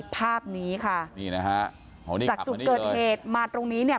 ภาพนี้ค่ะนี่นะฮะจากจุดเกิดเหตุมาตรงนี้เนี่ย